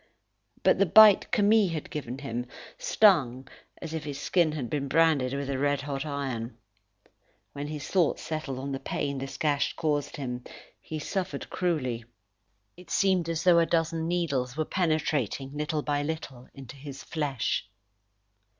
But the bite Camille had given him stung as if his skin had been branded with a red hot iron. When his thoughts settled on the pain this gash caused him, he suffered cruelly. It seemed as though a dozen needles were penetrating little by little into his flesh.